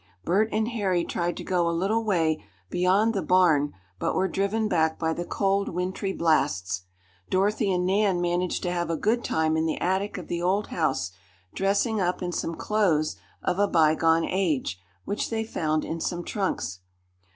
Bert and Harry tried to go a little way beyond the barn but were driven back by the cold, wintry blasts. Dorothy and Nan managed to have a good time in the attic of the old house, dressing up in some clothes of a by gone age, which they found in some trunks.